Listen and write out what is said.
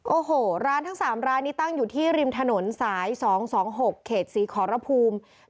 โอ้โหร้านทั้ง๓ร้านนี้ตั้งอยู่ที่ริมถนนสาย๒๒๖เขตศรีขอรภูมิ